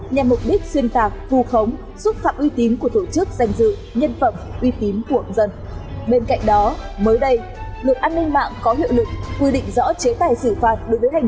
nhằm mục đích xuyên tạc thu khống xúc phạm uy tín của tổ chức danh dự nhân phẩm uy tín của dân